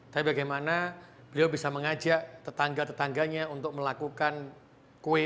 tapi bagaimana beliau bisa mengajak tetangga tetangganya untuk melakukan kue